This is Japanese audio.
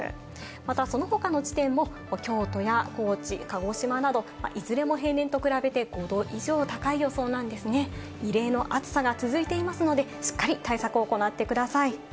またその他の地点も京都や高知、鹿児島など、いずれも平年と比べて５℃以上高い予想なんですね、異例の暑さが続いていますので、しっかり対策を行ってください。